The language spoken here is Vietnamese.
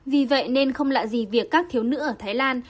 vì vậy nên không lạ gì việc các thiếu nữ ở thái lan